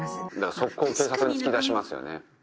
即行警察に突き出しますよね。